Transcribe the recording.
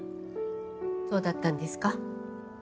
そうだったんですか。